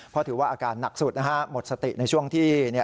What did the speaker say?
เพราะถือว่าอาการหนักสุดนะฮะหมดสติในช่วงที่